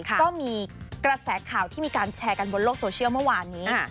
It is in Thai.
ก็มีกระแสข่าวที่มีการแชร์กันบนโลกโซเชียลเมื่อวานนี้